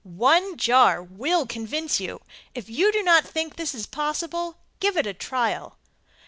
One jar will convince you. If you do not think this possible give it a trial.